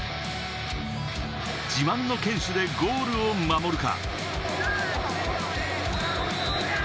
自慢の堅守でゴールを守るか。